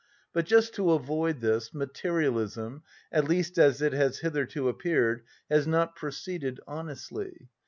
But just to avoid this, materialism—at least as it has hitherto appeared—has not proceeded honestly.